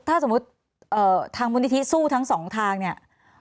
ถ้าสมมุติทางมูลนิธิสู้ทั้งสองทางเนี่ย